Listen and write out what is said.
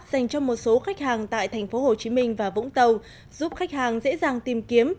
dành cho một số khách hàng tại tp hcm và vũng tàu giúp khách hàng dễ dàng tìm kiếm